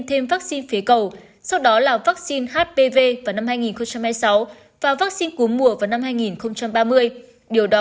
thêm vaccine phế cầu sau đó là vaccine hpv vào năm hai nghìn hai mươi sáu và vaccine cúm mùa vào năm hai nghìn ba mươi điều đó